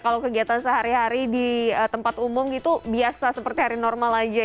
kalau kegiatan sehari hari di tempat umum gitu biasa seperti hari normal saja ya mbak mila ya